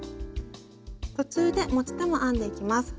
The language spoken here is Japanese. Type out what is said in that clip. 途中で持ち手も編んでいきます。